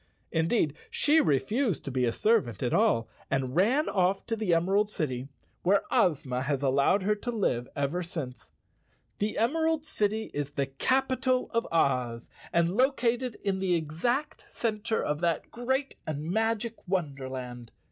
102 Chapter Eight Indeed, she refused to be a servant at all, and ran off to the Emerald City, where Ozma has allowed her to live ever since. The Emerald City is the capital of Oz and located in the exact center of that great and magic wonderland.